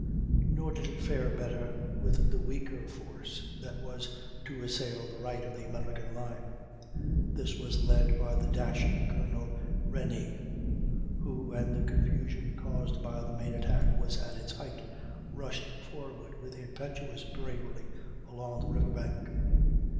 Nor did it fare better with the weaker force that was to assail the right of the American line. This was led by the dashing Colonel Rennie, who, when the confusion caused by the main attack was at its height, rushed forward with impetuous bravery along the river bank.